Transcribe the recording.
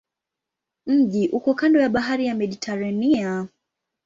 Mji uko kando ya bahari ya Mediteranea.